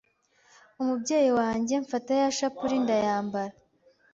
umubyeyi wanjye mfata ya shapuri ndayambara